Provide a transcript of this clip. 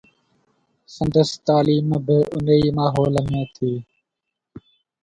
سندس تعليم به ان ئي ماحول ۾ ٿي.